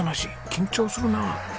緊張するなあ。